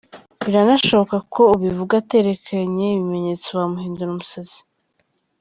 Biranashoboka ko ubivuga aterekanye ibimenyetso bamuhindura umusazi.